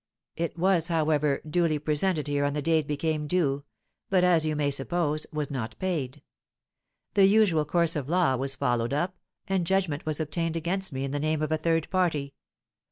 It was, however, duly presented here on the day it became due, but, as you may suppose, was not paid. The usual course of law was followed up, and judgment was obtained against me in the name of a third party.